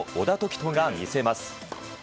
人が見せます。